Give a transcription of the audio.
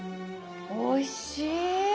おいしい！